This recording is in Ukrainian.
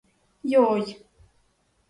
— Йой!